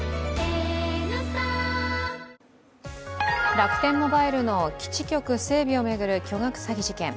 楽天モバイルの基地局整備を巡る巨額詐欺事件。